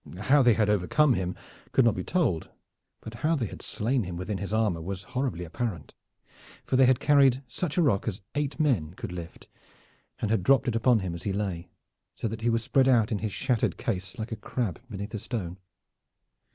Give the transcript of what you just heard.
How they had overcome him could not be told, but how they had slain him within his armor was horribly apparent, for they had carried such a rock as eight men could lift, and had dropped it upon him as he lay, so that he was spread out in his shattered case like a crab beneath a stone.